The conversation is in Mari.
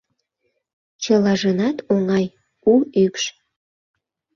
Чылажынат оҥай, у ӱпш.